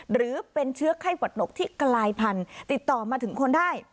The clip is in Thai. หรือเป็นเชื้อไข้หวัดหนกที่กลายพันธุ์ติดต่อมาถึงคนได้